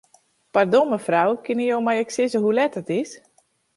Pardon, mefrou, kinne jo my ek sizze hoe let it is?